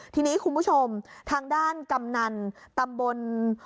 ทีนี้คุณผู้ชมทางด้านกำนันตำบล